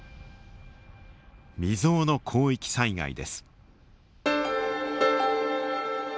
未曽有の広域災害です。